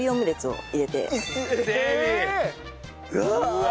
うわ！